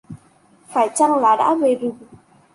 Phải chăng lá về rừng